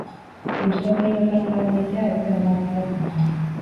Ilustratzaile bezala lan egitea ez zan erabaki bat izan.